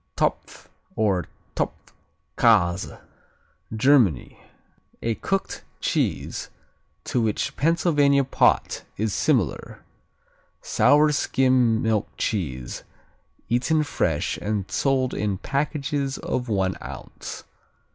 Topf or Topfkäse Germany A cooked cheese to which Pennsylvania pot is similar. Sour skim milk cheese, eaten fresh and sold in packages of one ounce.